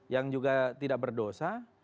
yang juga tidak berdosa